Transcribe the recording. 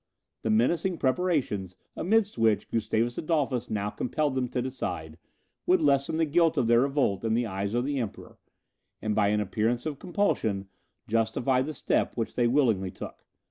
The menacing preparations amidst which Gustavus Adolphus now compelled them to decide, would lessen the guilt of their revolt in the eyes of the Emperor, and by an appearance of compulsion justify the step which they willingly took.